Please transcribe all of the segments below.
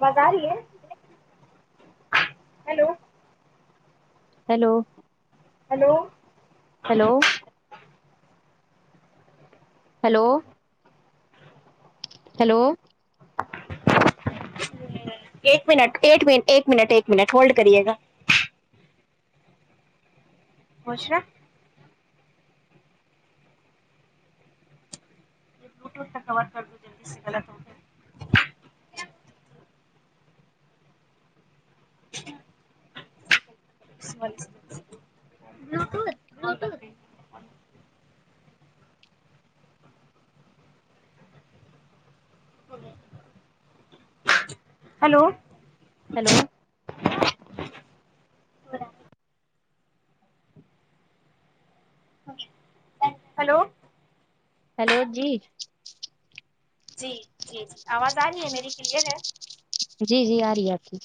بازار یہ hello hello hello hello hello hello ایک منٹ ایک م ایک منٹ ایک منٹ ہولڈ کریے گا بشرا یہ بلوٹوتھ کا کور کر دو جلدی سے گلطک [inaudible] ہلو ہیلو [inaudible] ہلو ہیلو جی جی جی جی آواز آ رہی ہے میری کلیئر ہے جی جی آ رہی ہے آ کی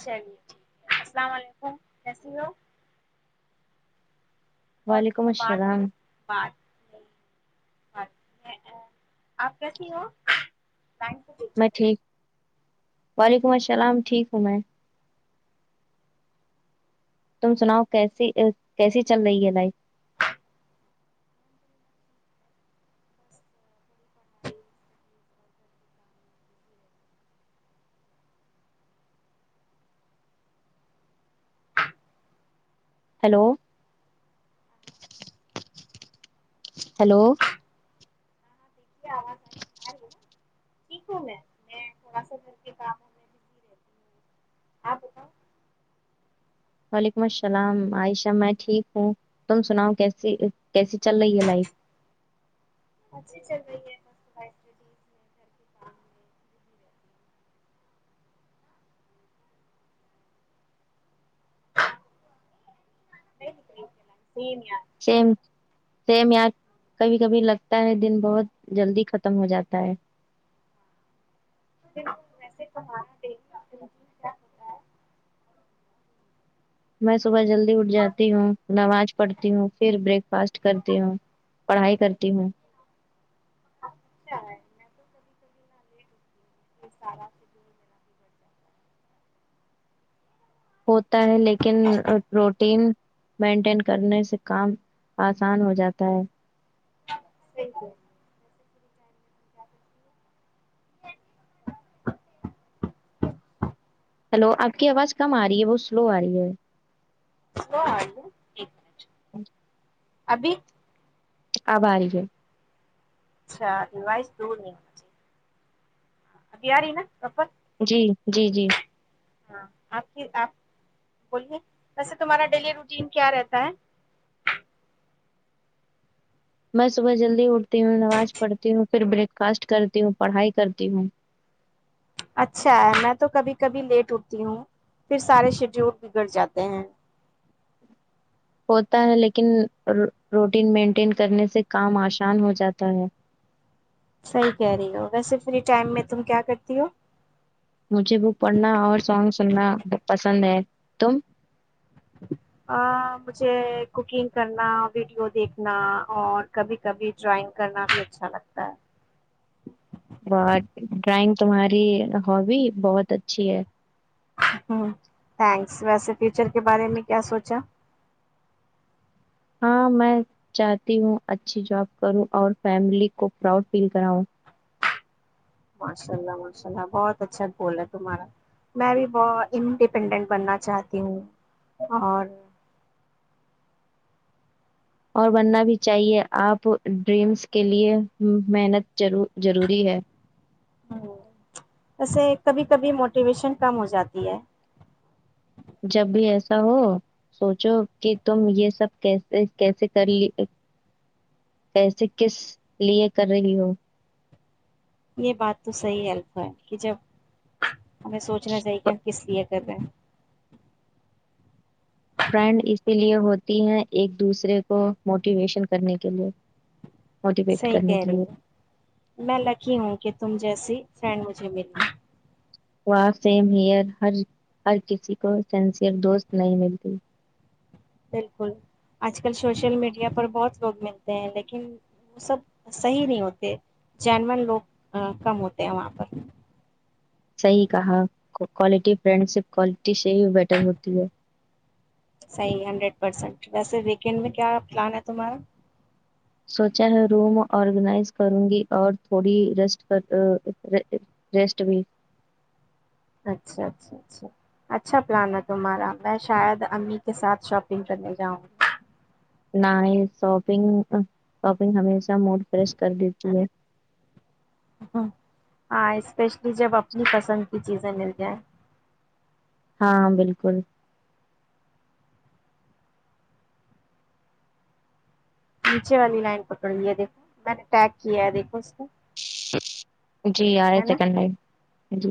چلیے ٹھیک ہے السلام علیکم کیسی ہو وعلیکم السلام ا آپ کیسی ہو میں ٹھیک وعلیکم السلام ٹھیک ہوں میں تم سناؤ کیسی کیسی چل رہی ہے لائف ہلو ہلو تھوڑا سا گھر کے کاموں میںی رہتی ہوں آپ بتاؤ وعلیکم السلام عائشہ میں ٹھیک ہوں تم سناؤ کیسی کیسی چل رہی ہے لائف اچھی چل رہی ہےھر کے کام [inaudible] سیم سیم اں کبھی کبھی لگتا ہے دن بہت جلدی ختم ہو جاتا ہے بک ویسے تمارا دیکھ میں صبح جلدی اٹھ جاتی ہوں نماز پڑھتی ہوں پھر بریک فاسٹ کرتی ہوں پڑھائی کرتی ہوں سارا ہوتا ہے لیکن روٹین مینٹین کرنے سے کام آسان ہو جاتا ہے سییک ہلو آپ کی آواز کم آ رہی ہے بہت سلو آ رہی ہے [inaudible] ابھی آب آاری ہےئے اچھا ل دور ہے اب ارینا رپا جی جی جی ہاں آپ کی آپ بولیے ویسے تمہارا ڈیلی روٹین کیا رہتا ہے میں صبح جلدی اٹھتی ہوں نماز پڑھتی ہوں پھر بریک کاسٹ کرتی ہوں پڑھائی کرتی ہوں اچھا ہے میں تو کبھی کبھی لیٹ اٹتی ہوں پھر سارے شیڈیول بگڑ جاتے ہیں ہوتا ہے لیکن روٹین مینٹین کرنے سے کام آسان ہو جاتا ہے صحیح کہہ رہی ہو ویسے فری ٹائم میں تم کیا کرتی ہو مجھے بک پڑھنا اور سانگ سننا پسند ہے تم مجھے کوکنگ کرنا ویڈیو دیکھنا اور کبھی کبھی ڈرائنگ کرنا بھی اچھا لگتا ہے اور ڈرائنگ تمہاری ہابی بہت اچھی ہے ہ تھینکس ویسے فیوچر کے بارے میں کیا سوچا ہاں میں چاہتی ہوں اچھی جاب کروں اور فیملی کو پراؤڈ فیل کراؤں ماشا اللہ ماشاء اللہ بہت اچھا بول ہے تمہارا میں بھی ب انڈیپینڈنٹ بننا چاہتی ہوں اور اور بننا بھی چاہیے آپ ڈریمز کے لیئے محنت ضروری ہے ہ ویسے کبھی کبھی موٹیویشن کم ہو جاتی ہے جب بھی ایسا ہو سوچو کہ تم یہ سب کیسے کیسے کر لی کیسے کس لیے کر رہی ہو یہ بات تو صحیح الف ہے کہ جب ہمیں سوچنا چاہیے کہ ہم کس لیے کر رہے فرینڈ اسی لیے ہوتی ہے ایک دوسرے کو موٹیویشن کرنے کے لیئے صحی کہہ رہی ہ میں لکی ہوں کہ تم جیسی فریینڈ مجھے ملنا وا فیم ہیئر ہر کسی کو سینسیئر دوست نہیں ملتے بالکل آج کل سوشل میڈیا پر بہت لوگ ملتے ہیں لیکن وہ سب صحیح نہیں ہوتے جنن لوگ کم ہوتے ہیں وہاں پر صحی کہا کوالٹی فرینڈ شپ کوالٹی یہی بیٹر ہوتی ہے صحیح ہنڈریڈ پرسینٹ ویسے ویکینڈ میں کیا پلان ہے تمہارا سوچا ہے روم آرگنائز کروں گی اور تھوڑی ر ریسٹ بھی اچھا اچھا اچھا اچھا پلان ہے تمہارا میں شاید امی کے ساتھ شاپنگ کرنے جاؤں گی ن شاپنگ شاپنگ ہمیش ا موڈ فریش کر دیتی ہے ہ ہاں اسپیشلی جب اپنی پسند کی چیزیں مل جائیں ہاں بالکل نیچے والی لائن پکڑی ہے دیکھو میں نے ٹیک کیا ہے دیکھو اس کو جی آ رہے سیکنڈ لائم جی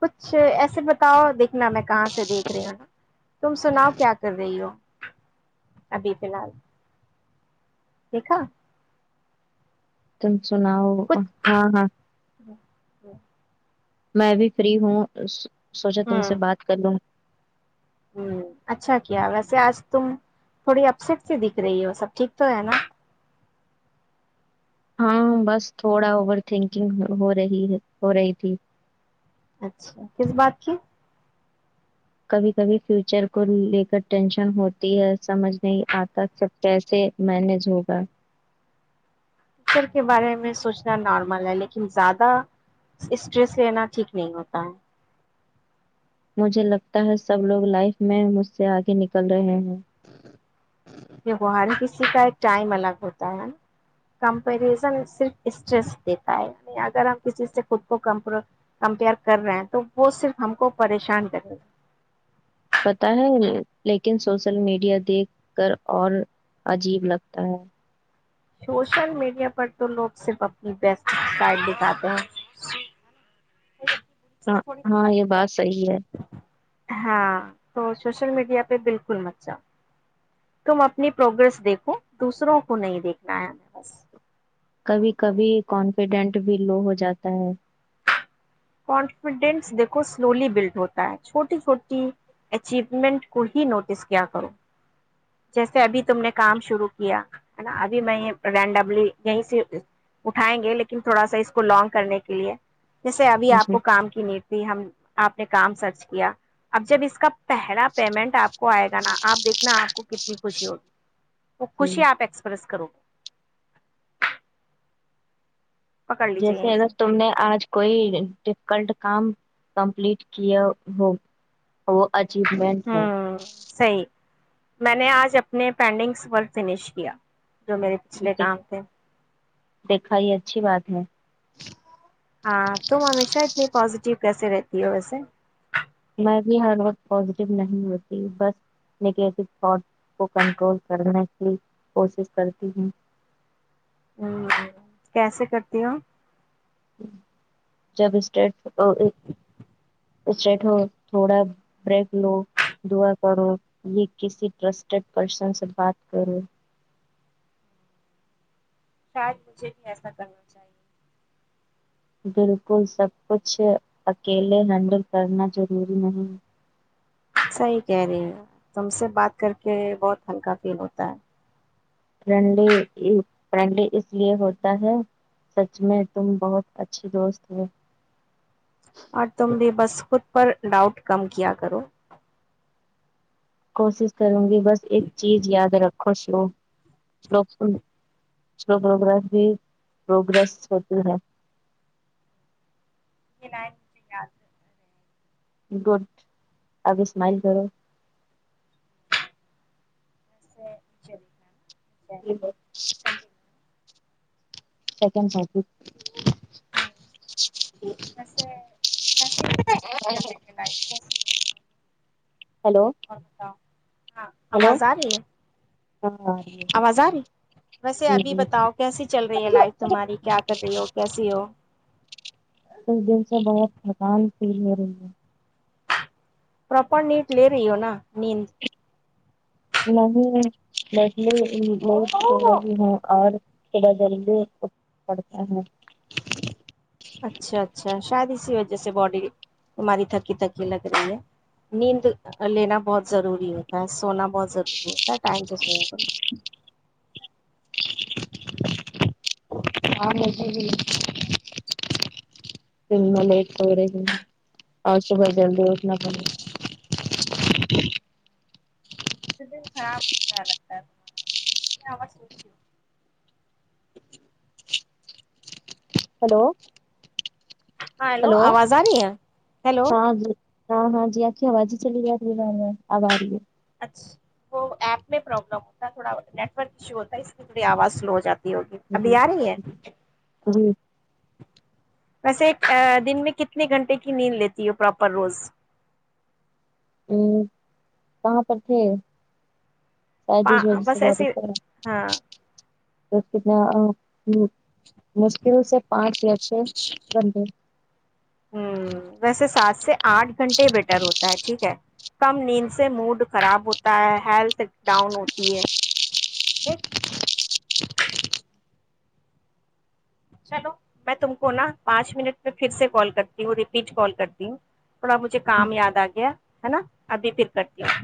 کچھ ایسے بتاؤ دیکھنا میں کہاں سے دیکھ رہی ہوں نا تم سناؤ کیا کر رہی ہو ابھی فی الحال دیکھا تم سناؤ ہاں ہاں جی میں بھی فری ہوں سوچا تم سے بات کر لوں ہ اچھا کیا ویسے آج تم تھوڑی اپسٹ سے دکھ رہی ہو سب ٹھیک تو ہے نا ہاں بس تھوڑا اوور تھنکنگ ہو رہی ہے ہو رہی تھی اچھا کس بات کی کبھی کبھی فیوچر کو لے کر ٹینشن ہوتی ہے سمجھ نہیں آتا سب کیسے مینج ہوگا ٹیچر کے بارے میں سوچنا نارمل ہے لیکن زیادہ اسٹریس لینا ٹھیک نہیں ہوتا ہے مجھے لگتا ہے سب لوگ لائف میں مجھ سے آگے نکل رہے ہیں ہر کسی کا ایک ٹائم الگ ہوتا ہےا کمپریزن صرف اسٹریس دیتا ہے ع اگر ہم کسی سے خود کو ک کمپیئر کر رہے ہیں تو وہ صرف ہم کو پریشان کریں گے پتا ہے لیکن سوشل میڈیا دیکھ کر اور عجیب لگتا ہے سوشل میڈیا پر تو لوگ صرف اپنی بیسٹائٹ دکھاتے ہیں ہاں ہاں یہ بات صحی ہے ہاں تو سوشل میڈیا پہ بالکل مچہ تم اپنی پروگریس دیکھو دوسروں کو نہیں دیکھنا ہے ہمیں بس کبھی کبھی کانفیڈنٹ بھی لو ہو جاتا ہے کانفیڈینس دیکھو سلولی بلڈ ہوتا ہے چھوٹی چھوٹی اچیومنٹ کو ہی نوٹس کیا کرو جیسے ابھی تم نے کام شرو کیا ہے نا ابھی میں رینڈملی یہیں سے اٹھائیں گے لیکن تھوڑا سا اس کو لانگ کرنے کے لیے جیسے ابھی آپ جی کو کام کی نیتی ہم آپ نے کام سرچ کیا اب جب اس کا پہلا پیمنٹ آپ کو آئے گا آپ دیکنا آپ کو کتنی خوشی ہوگی وہ جی۔ خوشی آپ ایکسپریس کرو گے پکڑ لیجیے جیسے یہیں سے اگر تم نے آج کوئی ڈفکلٹ کام کمپلیٹ کیا ہو وہ اچیومنٹ ہے ہوں صحیح میں نے آج اپنے پینڈنگسور فنش کیا جو میرے پچھلے ہے کام تھے دیکھا یہ اچھی بات ہے ہاں تم ہمیشہ اتنی پزیٹیو کیسے رہتی ہو ویسے میں بھی ہر وقت پازیٹیو نہیں ہوتی بس نگیٹو تھاٹ کو کنٹرول کرنے کی کوشش کرتی ہوں کیسے کرتی ہوں جب اسٹیٹ اسٹیٹ ہو تھوڑا بریک لو دعا کرو یہ کسی ٹرسٹیڈ پرسن سے بات کرو شاید مجھے بھی ایسا کرنا چاہیے بالکل سب کچھ اکیلے ہینڈل کرنا ضروری نہیں صحیح کہہ رہی ہیں تم سے بات کر کے بہت ہلکا فیل ہوتا ہے فرینڈلی فرینڈلی اس لیے ہوتا ہے سچ میں تم بہت اچھی دوست ہو اور تم بھی بس [inaudible] پر ڈاؤٹ کم کیا کرو کوشش کروں گی بس ایک چیز یاد رکھو وک سوکوس بھی پروگریس ہوتی ہے یا گڈ اب اسمائل کرو سچ می جی سیکنڈ فار بس کسی چل رہی ہے لائ مت ہیلو اور بتاؤ ہاں ہیلو آواز آ رہی ہے ہاں جی آواز آ رہی ویسے ابھی جی بتاؤ کیسی چل رہی ہے لائف تمہاری کیا کر رہی ہو کیسی ہو اس دن سے بہت تھکان فیل ہو رہی ہے پرپر نیٹ لے رہی ہو نا نیند نہیں بیتی ہے اور تھوڑا جلدی پڑتا ہے اچھا اچھا شاید اسی وجہ جیسے باڈی ہماری تھکی تھکی لگ رہی ہے نیند لینا بہت ضروری ہوتا ہے سونا بہت ضروری ہوتا ہے ٹائم سے سونے کر ہاں مٹے اور صبح جلدی اٹھنا در خراب ہو گیا لگتا ہے تارنی آواز ستی ہو ہلو ہاں ہیلو آواز آ رہ ہے ہیلو ہاں جی ہاں ہاں جی آ کے آواز ہی چلی ہےیا تھی اب آ رہی ہے وہ ایپ میں پرلم ہوتا ہے تھوڑا نیٹ ورک ایشو ہوتا ہے اس کی تھوڑی آواز سلو ہو جاتی ہے ہوگی ابھی آ رہی ہے جی ویسے دن میں کتنے گھنٹے کی نیند لیتی ہے پراپر روز ہ کہاں پر تھے شاید اس وججہ سے بس بہت ایسے اچھا رہا ہاں تو کتنا مشکل سے پانچ لچ فش رڈے ہوں ویسے سات سے آھ گھنٹے بیٹر ہوتا ہے ٹھیک ہے کم نیند سے موڈ خراب ہوتا ہے ہیلتھ تک ڈاؤن ہوتی ہے ج چلو میں تم کو نا پانچ منٹ میں پھر سے کال کرتی ہوں ریپیٹ کال کرتی ہوں تھوڑا مجھے کام یاد آ گیا ہے نا ابھی تھرکٹتی ہ